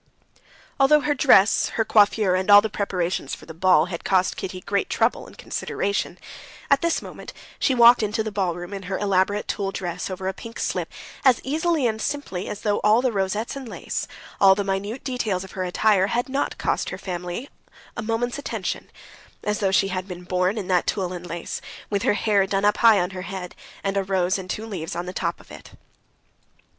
Although her dress, her coiffure, and all the preparations for the ball had cost Kitty great trouble and consideration, at this moment she walked into the ballroom in her elaborate tulle dress over a pink slip as easily and simply as though all the rosettes and lace, all the minute details of her attire, had not cost her or her family a moment's attention, as though she had been born in that tulle and lace, with her hair done up high on her head, and a rose and two leaves on the top of it.